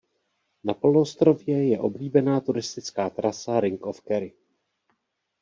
Na poloostrově je oblíbená turistická trasa Ring of Kerry.